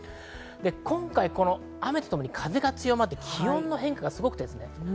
今回雨と共に風が強まって気温の変化がすごいです。